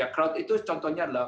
crowd itu contohnya adalah